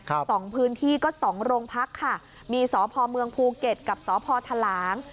สองพื้นที่ก็สองโรงพักค่ะมีสพเมืองภูเก็ตกับสพทหลาง